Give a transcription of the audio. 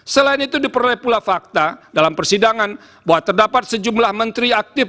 selain itu diperoleh pula fakta dalam persidangan bahwa terdapat sejumlah menteri aktif